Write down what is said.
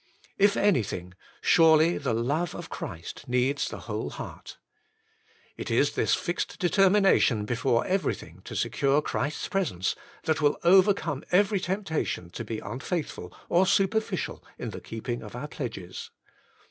If anything, surely the love of Christ needs the whole heart. It is this fixed determination before ever3i:hing to secure Christ's presence, that will overcome every temptation to be unfaithful or superficial in the keeping of our pledges.